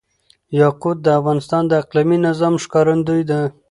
یاقوت د افغانستان د اقلیمي نظام ښکارندوی ده.